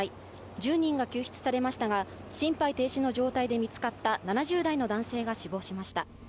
１０人が救出されましたが、心肺停止の状態で見つかった７０代の男性が死亡しました。